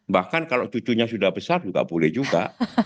bahkan kalau cucunya sudah besar juga boleh juga